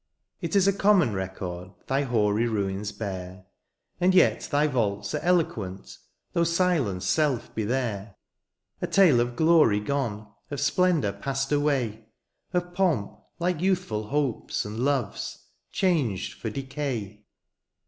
It is a common record Thy hoary ruins bear^ And yet thy vaults are eloquent^ Though silence* self be there ! A tale of glory gone — Of splendour passed away — Of pomp; like youthful hopes and loves, Changed for decay